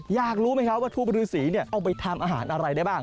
อยากรู้ไหมครับว่าทูปฤษีเอาไปทำอาหารอะไรได้บ้าง